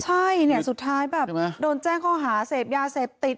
ใช่เนี่ยสุดท้ายแบบโดนแจ้งข้อหาเสพยาเสพติด